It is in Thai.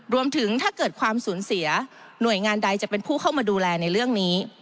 รวมถึงถ้าเกิดความสูญเสียหน่วยงานใดจะเป็นผู้เข้ามาดูแลในเรื่องนี้